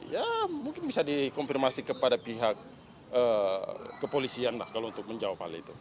ya mungkin bisa dikonfirmasi kepada pihak kepolisian lah kalau untuk menjawab hal itu